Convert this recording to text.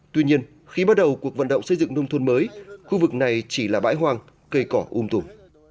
tuy nhiên khi bắt đầu cuộc vận động xây dựng nông thôn mới khu vực này chỉ là bãi hoang cây cỏ um thùng